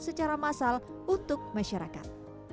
secara massal untuk masyarakat